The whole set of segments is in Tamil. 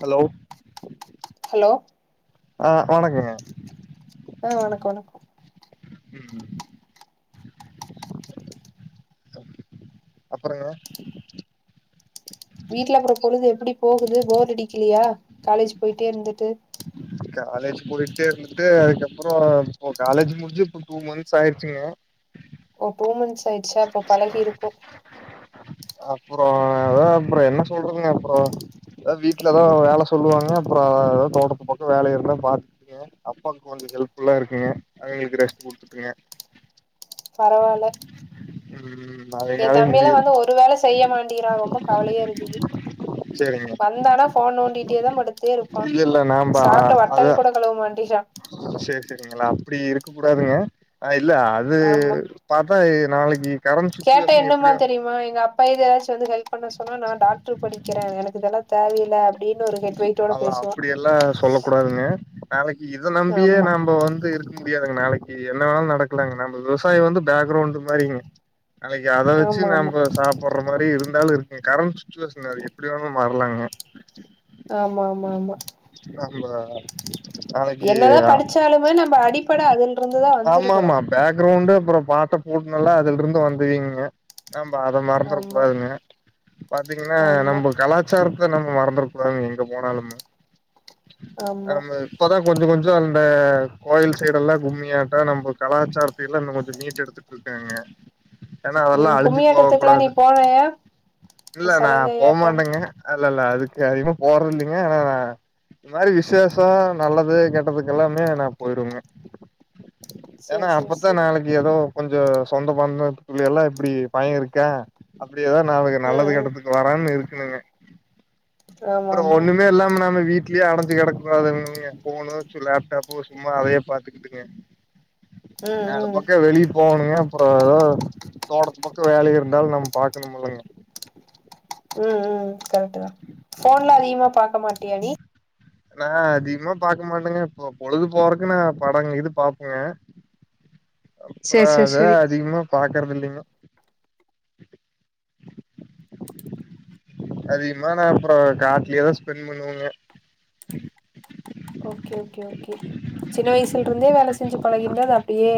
ஹலோ ஹலோ ஆ வணக்கங்க ஆ வணக்கம் வணக்கோ உம் அப்பறங்க வீட்ல அப்றோ பொழுது எப்டி போகுது போர் அடிக்கிலையா காலேஜ் போயிட்டே இருந்துட்டு காலேஜ் போயிட்டே இருந்துட்டு அதுக்கப்றோ இப்ப காலேஜ் முடிஞ்சு இப்ப டூ மந்த்ஸ் ஆயிடுச்சுங்க ஓ டூ மந்த்ஸ் ஆயிடுச்சா அப்ப பழகியிருக்கும் அப்பறோ அதா அப்றோ என்ன சொல்றதுங்க அப்றோ எதா வீட்ல தா வேல சொல்லுவாங்க அப்றோ தோட்டத்துப்பக்கம் வேல இருந்தா பாத்து அப்பாவுக்கு கொஞ்சோ ஹெல்ப்ஃபுல்லா இருக்குங்க அவங்களுக்கு ரெஸ்ட் குடுத்துட்டுங்க பரவால்ல ம் ஏ அதனாலயே தம்பி எல்லா முடியு வந்து ஒரு வேலை செய்ய மாட்டிக்கிறா ரொம்ப கவலையா இருக்குது சேரிங்க வந்தானா ஃபோன் நோண்டிட்டே தா படுத்தே இருப்பா இல்ல இல்ல நாம்ப சாப்ட்ட வட்டல அதா கூட கழுவமாட்டிகுறா சேரி செரிங்களா அப்டி இருக்க கூடாதுங்க ஆ இல்ல அது பாத்தா நாளைக்கி கேட்ட என்னமா தெரியுமா எங்க அப் பா இத எதாச்சு வந்து ஹெல்ப் பண்ண சொன்னா நா டாக்டர் படிக்கிறே எனக்கு இதெல்லா தேவயே இல்ல அப்டின்னு ஒரு [unintelligible] அல்ல பேசுவா அப்டியெல்லா சொல்ல கூடாதுங்க நாளைக்கு இத நம்பியே ஆமா நாம்ப வந்து இரு முடியாதுங்க நாளைக்கு என்ன வேணாலு நடக்கலாங்க நம்ம விவசாயம் வந்து பேக்ரவுண்ட் மாறிங்க நாளைக்கி அத வச்சு ஆமா ஆமா நம்ம சாப் புற்ற மாறி இருந்தாலு இருக்கு கரண்ட் சுச்சுவேஷன்து எப்டி வேணாலு மாறலாங்க ஆமா ஆமா ஆமா நம்ப நாளைக்கு என்னதா படிச்சாலுமே நம்ம அடிப்பட அதுல்ருந்துதா வந்துருக்குறோ ஆமாமா பேக்ரவுண்டு அப்றோ பாட்ட பூட்னெல்லா அதுல்ருந்து வந்துவீங்க நம்ப அத மறந்துட ஆமா கூடாதுங்க பாத்தீங்கன்னா ஆமா நம்ம கலாச் சாரத்த நம்ம மறந்துறக்கூடாதுங்க எங்க போனாலுமே ஆமா அந்த இப்பதா கொஞ்சோ கொஞ்சோ அந்த கோயில் சைடல்லா கும்மியா இப்ப தா நம்ம கலாச்சாரத்த எல்லா இன்ன கொஞ்சோ மீட்டு எடுத்துட்டு இருக்காங்க ஏனா அதெல்லா ம் அழிஞ்சு போக கும்மியாட்டத்துக்குல்லா நீ கூடாது போனயா இல்ல நா சலங்கையாட்டம் போமாட்டேங்க இல்ல இல்ல அதுக்கு அதிகமா போறதில்லைங்க ஏனா நா இந்த மாறி விஷேசோ நல்லது கெட்டதுக்கு எல்லாமே நா போயிரு வங்க ஏனா சேரி சேரி அப்பத்தா சேரி நாளைக்கு ஏதோ கொஞ்சோ சொந்த பந்த தள்ளி எல்லா இப்டி பயன் இருக்கா அப்டியேதா நா அவளுக்கு ம் நல்லது ம் கெட்டத்துக்கு வரான்னு இருக்கணுங்க ஆமா அப்பறோ ஆமா ஒன்னுமே ஆமா இல்லாம நாம வீட்டு விட்லயே அடஞ்சு கிடக்ககூடாதுல்லாங்க போனு லேப்டாப்பு சும்மா அதையே பாத்துக்கிட்டுங்க நாலு ம் ம் பக்க வெளிய போகணுங்க அப்பறோ எதோ தோட்டத்து பக்கவேலை இருந்தாலு நம்ம பாக்கணுல்லங்க ம் ம் கரெக்ட் தா போன்ல அதிகமா பாக்க மாட்டிய நீ நா அதிகமா பாக்க மாட்டேங்க இப்ப பொழுது போறக்குன்னா படங்க இது பாப்போங்க அப்பறோ சேர் சேர் அத சேரி அதிகமா பாக்குறது இல்லைங்க அதிகமா நா அப்பறோ காட்டுலயேதா ஸ்பென் பண்ணுவோங்க ஓகே ஓகே ஓகே சின்ன வயசுல இருந்தே வேல செஞ்சு பலகிட்டா அது அப்டியே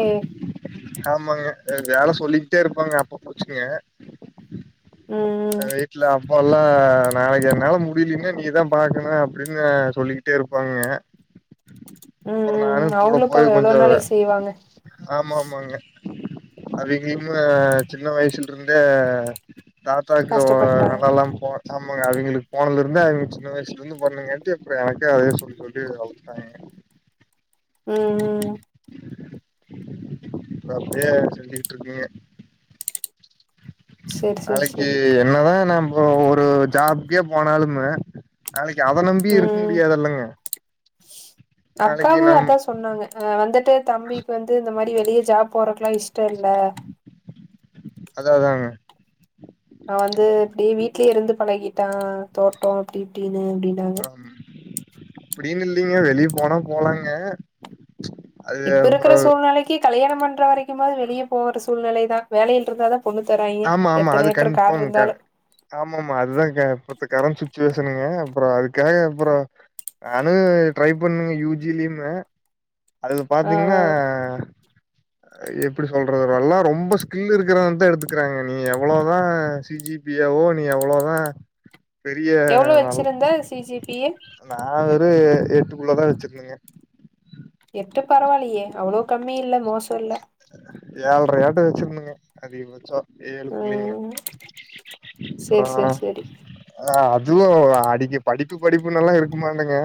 ஆமாங்க வேலை சொல்லிக்கிட்டே இருப்பாங்க அப்பா போச்சுங்க ம் ம் வீட்டுல அப்பா ல்லா நாளைக்கு என்னால முடியலன்னா நீதான் பாக்கணு அப்டின்னு சொல்லிகிட்டே இருப்பாங்க ம் அப்பறோ ம் நானு கூட அவுங்களு போய் பாவோ எவ்ளோ கொஞ்சோ நாளைக்கு செய்வாங்க ஆமா ஆமாங்க அவிங்கலுமே சின்ன வயசுல இருந்தே டாக்கு கஷ்டப்பட்டாங்க நல்லல்லா போறே ஆமாங்க அவங்களுக்கு போனல இருந்து அவங்க சின்ன வயசுல இருந்து பண்ணுங்கட்டு இப்ப எனக்கு அதே சொல்லு சொல்ட்டே [unintelligible] உம் ம் ம் இப்போ அப்டியே சுத்திட்டு இருக்கீங்க சர் சர் செரி என்னதான் நம்ம இப்போ ஒரு ஜாப்கே போனாலுமு நாளக்கு அத நம்பி ம் இருக்க முடியாதல்லங்க அக்காவும் அதான் சொன்னாங்க அ வந்துட்டு தம்பிக்கு வந்து இந்த மாரி அப்டி வெளியே ஜாப் போறக்கெல்லாம் இஷ்டோ இல்ல அதா அதாங்க அவன் வந்து இப்டி வீட்லயே இருந்து பழகிட்டான் தோட்டம் இப்டி இப்டின்னு அப்டின்னாங்க ஆம் அப்டின்னு இல்லைங்க வெளிய போனா போலாங்க அது இப்ப இருக்கிற அப்புறோ சூழ்நிலைக்கு கல்யாணம் பண்ற வரைக்குமாது வெளியே போகற சூழ்நிலைதான் வேலைல இருந்தா தான் பொண்ணு தராய்ங்க ஆமா எத்தன ஏக்கர் காடு இருந்தாலும் ஆமா மா அதுதான்க்க இப்பத்த கரண்ட் சுச்சுவேஷனுங்க அப்புறோ அதுக்காக அப்புறோ நானும் ட்ரை பண்ணுங்க யூ ஜி லயுமு அதுல ஆ ஆ பாத்தீங்கன்னா எப்டி சொல்றது எல்லா ரொம்ப ஸ்கில் இருக்கிற வ தான் எடுத்து க்கறாங்க நீ எவ்வளவுதான் ஜிஜிபியாவோ நீ எவ்வளோதான் பெரிய எவ்ளோ ஆனாலும் வச்சிருந்த சி ஜி பி ஏ நான் ஒரு எட்டு குல்ல தான் வச்சிருக்கேங்க எட்டு பரவால்லயே அவ்ளோ கம்மி இல்ல மோசோ இல்ல ஏல்ரயாட்ட வச்சிருந்தங்க அதிகபட்சோ ஏழு குல்லங்க ம் சேரி சேரி அப்பறோம் சேரி ஆ அதுவும் அடிக்கி படிப்பு படிப்பு நுல்லா இருக்குமாட்டேங்க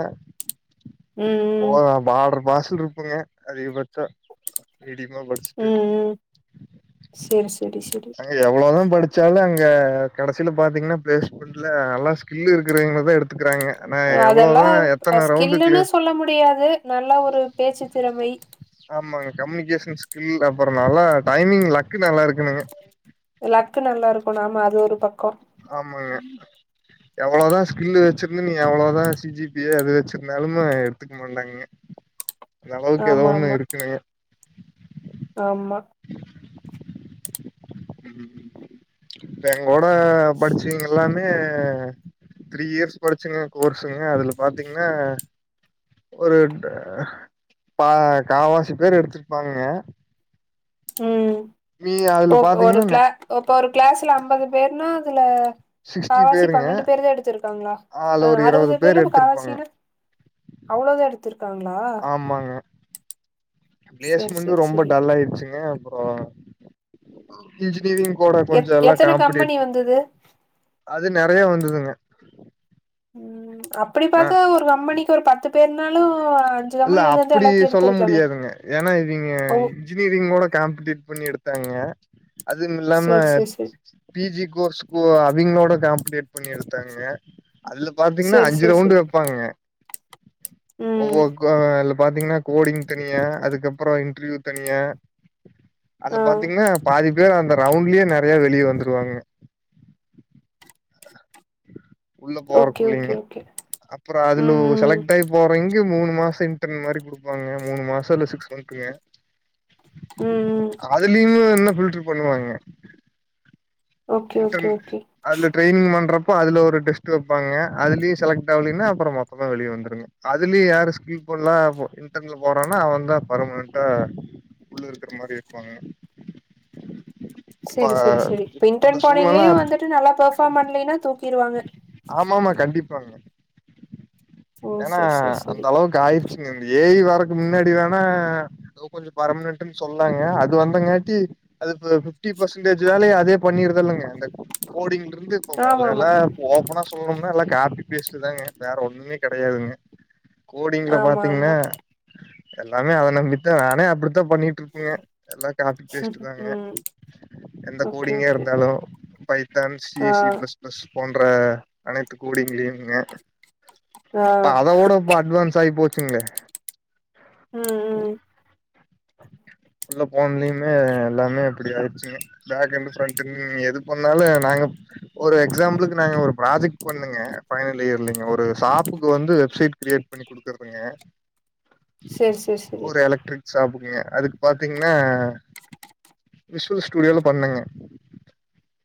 ம் ம் போதான் பாடறு பாஸ்ல இருப்பங்க அதிகபட்சா மிடிமா படிச்சு உம் ம் செர் செர் செரி எவ்ளோதா படிச்சாலு அங்க கடைசில பாத்தீங்கன்னா பிளேஸ்மெண்ட் ல்ல நல்ல ஸ்கில்லு இருக்கறவங்களதா எடுத்துக்கிறாங்க ஆனா அதெல்லா எவ்ளோதா எத்தன ரவுண்டு கிளி ஸ்கில்லுன்னு சொல்ல முடியாது நல்ல ஒரு பேச்சு திறமை ஆமாங்க கம்யூனிகேஷன் ஸ்கில் அப்றோ நல்லா டைமிங் லக்கு நல்லா இருக்கனுங்க லக்கு நல்லா இருக்கனு ஆமா அது ஒரு பக்கோ ஆமாங்க எவ்ளோதா ஸ்கில்லு வச்சிருந்து நீ எவ்ளோதா சிஜிபி அது வச்சிருந்தாலு எடுத்துக்க மாட்டாங்க அளவுக்கு ஏதோ ஆமா ஒண்ணு ஆமா இருக்கனுங்க ஆமா இப்ப எங்கோட படிச்சீங்கல்லா மே த்ரீ இயர்ஸ் படிச்சுங்க கோர்ஸுங்க அதுல பாத்தீங்கன்னா ஒரு பா காவாசி பேர் எடுத்துருப்பாங்கங்க ம் அதுல ஓ ஒரு பாத்தீங்கன்னா கிளா இப்ப ஒரு கிளாஸ்ல அம்பது பேர்னா அதுல சிக்ஸ்டி காவாசி பேருங்க பன்னெண்டு பேருதா எடுத்திருக்காங்களா அதுல அ ஒரு இருவது அறுவது பேர் பேர்ல இப்ப எடுத்திருப்பாங்க காவாசினா அவ்ளோதா எடுத்திருக்காங்ளா ஆமாங்க செரி பிளேஸ்மண்டு செரி ரொம்ப செரி டல்லாயிடுச்சுங்க அப்றோ இன்ஜினியரிங் கூட கொஞ்சோ எத் எல்லா எத்தன காம்படிட் கம்பெனி வந்தது அது நெறைய வந்ததுங்க உம் அப்படி ஆ பாத்தா ஒரு கம்பெனிக்கு ஒரு பத்து பேர்னாலு இல்ல கம்பெனி வந்திருந்தா அப்டி எல்லாத்தையு சொல்ல எடுத்திருக்கலாமே முடியாதுங்க ஏனா இவிங்க ஓ இன்ஜினியரிங் கூட காம்டிட் பண்ணி எடுத்தாங்க அதுவுமில்லாம சேரி சேரி சேரி பி ஜி கோர்ஸ்க்வா அவிங்களோட காம்படேட் பண்ணி எடுத்தாங்க அல்ல பாத்தீங்கன்னா சேரி அஞ்சு சேரி ரவுண்ட் சேரி வப்பாங்க ஒவ்வொ ம் [unintelligible] இல பாத்தீங்கன்னா கோடிங் தனியா அதுக்கப்றோ இன்ட்ரிவியூ தனியா ஆ அதுல பாத்தீங்ன்னா பாதி பேர் அந்த ரவுண்ட்லே நெறைய வெளிய வந்துருவாங்க உள்ள ஓகே ஓகே போறக்குள்ளயு ஓகே அப்றோ அதுலோ ம் ம் செலக்ட் ஆகி போறங்கியு மூணு மாசொ இன்டர்ன் மாரி குடுப்பாங்க மூணு மாசொ இல்ல சிக்ஸ் மந்த்துங்க ம் ம் அதுலயுமே இன்னு ஃபில்ட்ரு பண்ணுவாங்க ஓகே ஓகே இன்டர்ன் ஓகே அதுல ட்ரைனிங் பண்றப்போ அதுல ஒரு டெஸ்ட் வப்பாங்க அதுலயு செலக்ட் ஆவலினா அப்றோ மொத்தமா வெளிய வந்துரனு அதுலயு யாரு ஸ்கீல் போல்லா போ இன்டர்ன்ல போறானோ அவந்தா பர்மனன்டா உள்ளருக்ற மாரி எட்ப்பாங்க செரி செரி செரி இப்ப இன்டர்ன் சூழ்நில போனீங்ளையு வந்துட்டு நல்லா பர்ஃபார்ம் பண்லைனா தூக்கிருவாங்க ஆமாமா கண்டிப்பாங்க ஓ ஏனா செரி செரி அந்த செரி அளவுக் காயிருச்சுங்க இந்த ஏ ஐ வரக்கு முன்னாடி வேணா எதோ கொஞ்சோ பர்மனன்ட்னு சொன்னாங்க அது வந்தங்காட்டி அது ஃப ஃபிஃப்டி பர்சன்டேஜ் வேலைய அதே பண்ணிருதுல்லங்க அந்த கோடிங்ல இருந்து இப்போ ஆமா ஆமா மொதலேலா ஓப்பனா சொல்ணும்னா எல்லா காப்பி பேஸ்ட் தாங்க வேற ஒன்னுமே கெடையாதுங்க கோடிங்ல ஆமா பாத்தீங்கன்னா ஆமா எல்லாமே அத நம்பித்த நானே அப்டித்தா பண்ணி ட்ருகுங்க எல்லா காபி பேஸ்ட் தாங்க ம் எந்த ஓகே கோடிங்கா ஓகே இருந்தாலு ஃபை டன் சி ஆ சி பிளஸ் பிளஸ் போன்ற அனைத்து கோடிங்ளயுமே ஆ இப்ப அதவுட இப்ப அட்வான்ஸ் ஆகி போச்சுங்ளே ம் ஃபுல்லா ஃபோன்லயுமே எல்லாமே இப்டி ஆயிடுச்சுங்க பேக்கண்ட் ஃப்ரன் டுன் எது பண்ணாலு நாங்க ஒரு எக்ஸாம்பில்க்கு நாங்க ஒரு ப்ராஜெக்ட் பண்ணொங்க ஃபைனல் இயர்லங்க ஒரு ஷாப்புக்கு வந்து வெப்சைட் கிரியேட் பண்ணி குடுக்குறதுங்க செரி செரி செரி ஒரு எலக்ட்ரிக் ஷாப்புக்குங்க அதுக்கு பாத்தீங்ன்னா விஷ்வல் ஸ்டுடியோல பண்ணங்க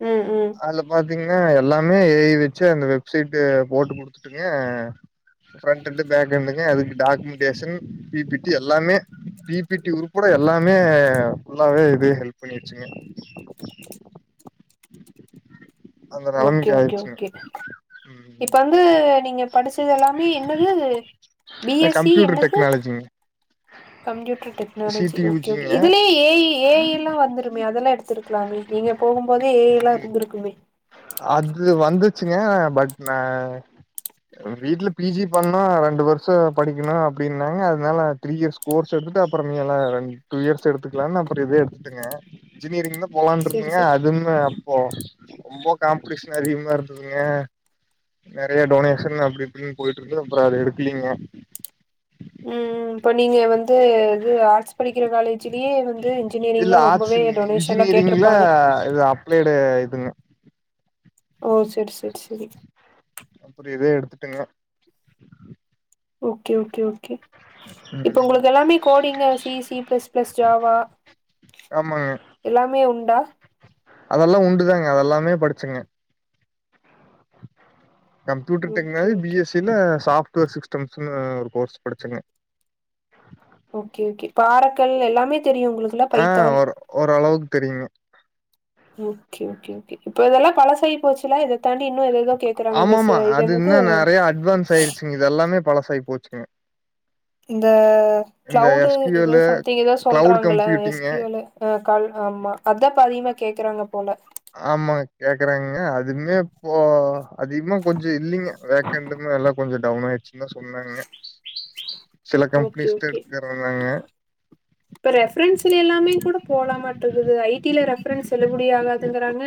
ம் ம் அதுல பாத்தீங்கன்னா எல்லாமே ஏ ஐ வச்சு அந்த வெப்சைட் போட்டு குடுத்துட்டுங்க ஃப்ரண்ட் அண்டு பேக்கெண்டுங்க அதுக்கு டாக்குமெண்டேஷன் பி பி டி எல்லாமே பி பி டி உர்பட எல்லாமே ஃபுல்லாவே இது ஹெல்ப் பண்ணிருச்சுங்க [inaudible] அந்த ஓகே நெலமைக்கு ஓகே ஆயிருச்சுங்க ஓகே ம் இப்போ வந்து நீங்க படிச்சது எல்லாமே என்னது பி எஸ் சி கம்ப்யூட்டர் என்னது டெக்னாலஜிங்க computer C technology D you okay okay ஜிங்க இதுலே ஏ ஏ ஐ ல்லா வந்துருமே அதல்லா எடுத்திரு க்லாமே நீங்க போகும்போதே ஏ ஐ ல்லா இருந்துருக்குமே அது வந்துச்சுங்க பட் நா வீட்ல பி ஜி பண்ணு ரெண்டு வருஷொ படிக்கணு அப்டின்னாங்க அதனால த்ரீ இயர்ஸ் கோர்ஸ் எடுத்துட்டு அப்பறோ மீ எல்லா ரெண் டூ இயர்ஸ் எடுத்துக்கலானு அப்பறோ இதே எடுத்துட்டுங்க இன்ஜினியரிங்த போலான் செரி இருந்தேங்க செரி அதுவ்மே அப்போ ரொம்போ காம்டிஷேன் அதிகமா இருந்துதுங்க நெறைய டொனேஷன் அப்டி இப்டின்னு போயிட்டுருந்துது அப்றோ அத எடுக்கலைங்க ம் இப்ப நீங்க வந்து இது ஆர்ட்ஸ் படிக்கிற காலே ஜ்லே வந்து இன்ஜினியரிங்லா ரொம்பவே டொனேஷன்லா கேட்ருப்பாங்க ஆ இது அப் ப்ளேடே இதுங்க ஓ சேரி சேரி சேரி அப்பறோ இதே எடுத்துட்டங்க ஓகே ஓகே ஓகே இப்ப ம் உங்களுக்கு எல்லாமே coding C C plus plus Java ஆமாங்க எல்லாமே உண்டா அது எல்லாம் உண்டுதாங்க அது எல்லாமே படிச்சங்கே computer okay technology B okay S C ல சாஃப்ட்வேர் சிஸ்டம்ஸ்ன்னு ஒரு கோர்ஸ் படிச்சங்க ஓகே ஓகே பாறக்கல் எல்லாமே தெரியும் உங்களுக்கு ஆ ஒரு ஓரளவுக்கு தெரியுங்க ஓகே ஓகே ஒகே இப்போ இது எல்லாம் பழசு ஆயி போச்சுல்ல இன்னும் இத தாண்டி எதேதோ கேட்கு ஆமாம்மா அது இன்ன நிறைய அட்வான்ஸ் ஆயிருச்சுங்க இது எல்லாமே பழசாகி போச்சுங்க இந்த இந்த கிளவுடு எஸ் கியூ இது ஏதோ எல்லு சம்திங் ஏதோ கிளவுட் சொல்றாங்கள கம்ப்யூட்டிங்கு எஸ்கியூயெல் லு அ கல் ஆமா அதான் இப்ப அதிகமா கேக்குறாங்க போல ஆமா கேக்குறாங்கங்க அதுமே இப்போ அதிகமா கொஞ்சம் இல்லைங்க வேக்கண்ட எல்லாம் கொஞ்சம் டவுன் ஆயிடுச்சு தான் சொன்னாங்க சில ஒகே கம்பெனிஸ்தா ஒகே எடுத்துக்கறேன்னாங்க இப்ப ரெபரன்ஸ்ல எல்லாமே கூட போலாம்மாட் இருக்குது ஐ டி ல ரெஃபரன்ஸ் செல்லுபடி ஆகாதுங்கறாங்க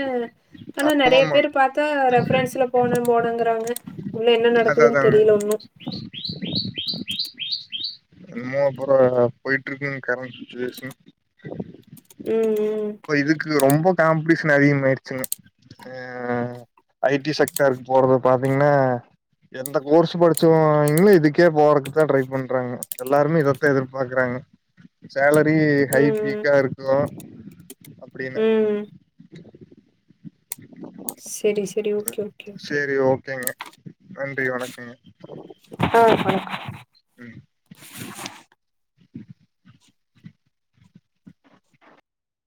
ஆனா நிறைய ஆமாமா பேர் பாத்தா ரெஃபரன்ஸ்ல போனோன் போனோங்குறாங்க உள்ள என்ன நடக்குதுன்னு தெரியல ஒன்னும் [inaudible] இன்னுமா போற போயிட்டு இருக்குங்க கரண்டு சிச்சுவேஷன் ம் ம் இப்ப இதுக்கு ரொம்ப காம்படிஷன் அதிகமாயிடுச்சுங்க அ ஐ டி செக்டாருக்கு போறது பாத்தீங்கன்னா எந்த கோர்ஸ் படிச்சவங்களோ இதுக்கே போறதுக்குதான் ட்ரை பண்றாங்க எல்லாருமே இதத்தான் எதிர்பாக்குறாங்க சேலரி ம் ஹை ம் பீக்கா இருக்கும் அப்படின்னு ம் ம் சேரி சேரி ஓகே ஓகே ஓகே சரி ஒகேங்க நன்றி வணக்கங்க அ வணக்கம் ம்